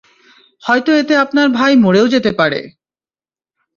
হয়তো এতে আপনার ভাই মরেও যেতে পারে?